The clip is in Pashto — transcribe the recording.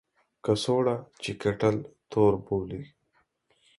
کڅوړه چې کیټل تور بولي.